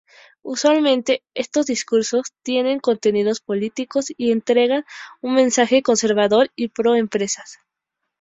Usualmente, estos discursos tenían contenidos políticos y entregaban un mensaje conservador y pro empresa.